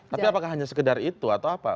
tapi apakah hanya sekedar itu atau apa